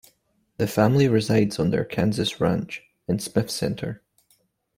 The family resides on their Kansas ranch in Smith Center.